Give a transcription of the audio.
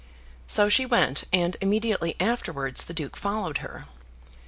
So she went, and immediately afterwards the Duke followed her.